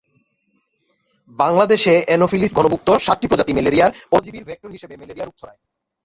বাংলাদেশে এনোফিলিস গণভুক্ত সাতটি প্রজাতি ম্যালেরিয়ার পরজীবীর ভেক্টর হিসেবে ম্যালেরিয়া রোগ ছড়ায়।